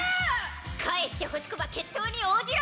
返してほしくば決闘に応じろ！